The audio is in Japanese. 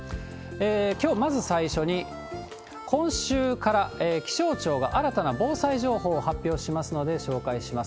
きょう、まず最初に今週から気象庁が新たな防災情報を発表しますので紹介します。